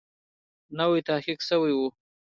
نوی تحقیق سوی وو.